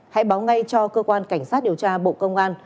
hãy báo ngay cho cơ quan cảnh sát điều tra bộ công an